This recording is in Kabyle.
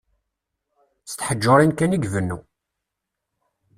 S teḥjurin kan i ibennu.